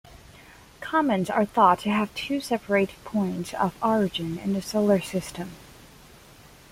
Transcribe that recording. Comets are thought to have two separate points of origin in the Solar System.